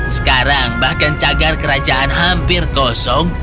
sekarang bahkan cagar kerajaan hampir kosong